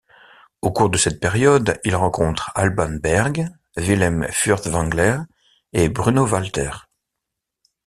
Au cours de cette période il rencontre Alban Berg, Wilhelm Furtwängler et Bruno Walter.